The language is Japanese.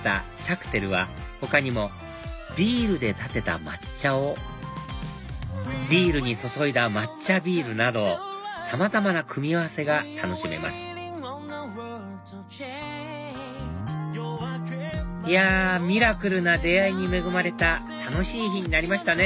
クテルは他にもビールでたてた抹茶をビールに注いだ抹茶ビールなどさまざまな組み合わせが楽しめますいやミラクルな出会いに恵まれた楽しい日になりましたね